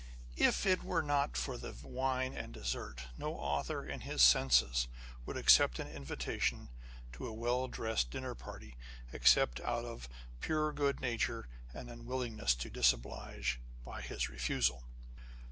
If it were not for the wine and the dessert, no author in his senses would accept an invitation to a well dressed dinner party, except out of pure good nature and unwillingness to disoblige by his refusal.